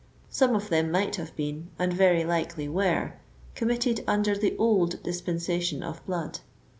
Some of them might have been, and very lil^ely were^ committed under the old dispensation of blood.